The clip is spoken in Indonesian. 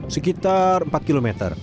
sekitar empat km